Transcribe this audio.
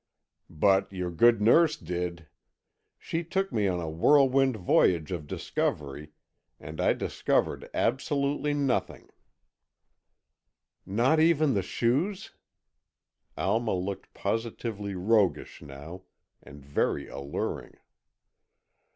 "But your good nurse did. She took me on a whirlwind voyage of discovery, and I discovered absolutely nothing——" "Not even the shoes?" Alma looked positively roguish now, and very alluring.